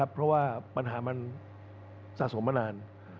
เพราะว่าปัญหามันสะสมมานาน